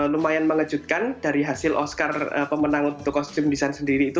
lumayan mengejutkan dari hasil oscar pemenang untuk kostum design sendiri itu